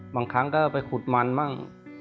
บางครั้งก็ไปขุดมันมั่ง